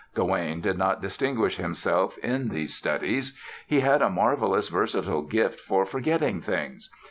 Gawaine did not distinguish himself in these studies. He had a marvelously versatile gift for forgetting things.